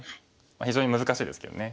非常に難しいですけどね。